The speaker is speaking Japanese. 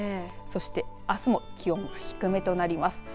そしてあすも気温は低めとなります。